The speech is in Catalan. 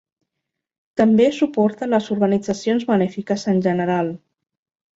També suporta a les organitzacions benèfiques en general.